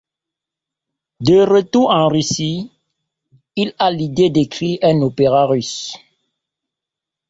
De retour en Russie, il a l'idée d'écrire un opéra russe.